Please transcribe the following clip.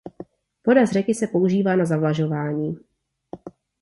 Voda z řeky se používá na zavlažování.